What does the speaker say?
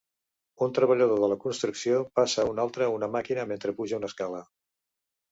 Un treballador de la construcció passa a un altre una màquina mentre puja una escala.